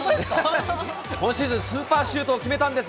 今シーズン、スーパーシュートを決めたんです。